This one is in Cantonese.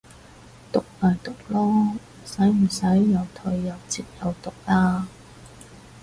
毒咪毒囉，使唔使又頹又摺又毒啊